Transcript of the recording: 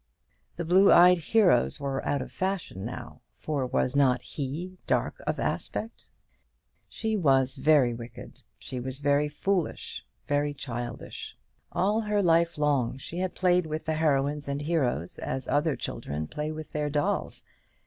The blue eyed heroes were out of fashion now, for was not he dark of aspect? She was very wicked, she was very foolish, very childish. All her life long she had played with her heroines and heroes, as other children play with their dolls.